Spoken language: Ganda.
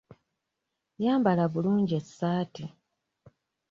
Yambala bulungi essaati.